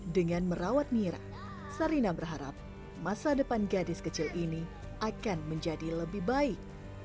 dengan merawat mira sarina berharap masa depan gadis kecil ini akan menjadi lebih baik